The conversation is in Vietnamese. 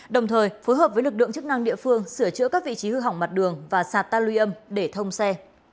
đồng thời phối hợp với lực lượng chức năng địa phương sửa chữa các vị trí hư hỏng mặt đường và sạt ta lưu âm để thông xe